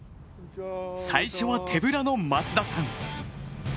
最初は手ぶらの松田さん。